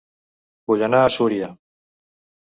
Vull anar a Súria